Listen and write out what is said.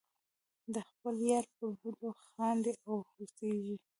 د خپل یار پر بدو خاندې او هوسیږم.